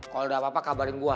kalau udah apa apa kabarin gue